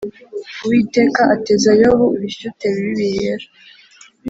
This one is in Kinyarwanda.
Uwiteka, ateza Yobu ibishyute bibi bihera